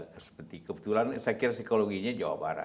seperti kebetulan saya kira psikologinya jawa barat